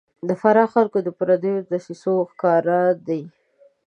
د فراه خلک د پردیو دسیسو ښکار دي